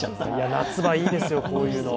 夏場いいですよ、こういうの。